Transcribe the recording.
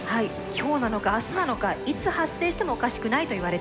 今日なのか明日なのかいつ発生してもおかしくないといわれています。